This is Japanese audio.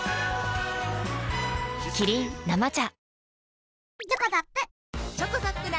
キリン「生茶」